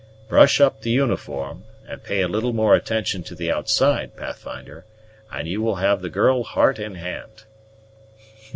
Brush up the uniform, and pay a little more attention to the outside, Pathfinder, and you will have the girl heart and hand."